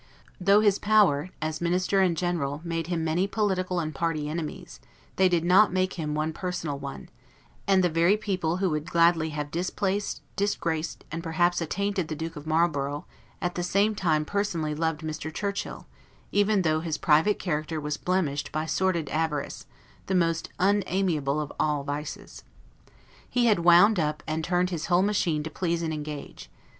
Though his power, as Minister and General, made him many political and party enemies, they did not make him one personal one; and the very people who would gladly have displaced, disgraced, and perhaps attainted the Duke of Marlborough, at the same time personally loved Mr. Churchill, even though his private character was blemished by sordid avarice, the most unamiable of all vices. He had wound up and turned his whole machine to please and engage.